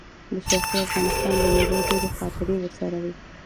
د شرقي افغانستان د مېلو ډېرې خاطرې ورسره وې.